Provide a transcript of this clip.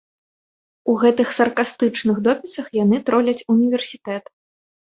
У гэтых саркастычных допісах яны троляць універсітэт.